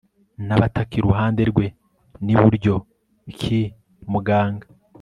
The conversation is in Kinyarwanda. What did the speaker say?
nabataka iruhande rwe ni buryo ki muganga